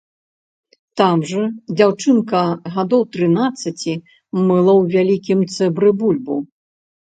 Там жа дзяўчынка гадоў трынаццаці мыла ў вялікім цэбры бульбу.